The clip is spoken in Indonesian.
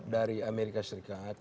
dari amerika serikat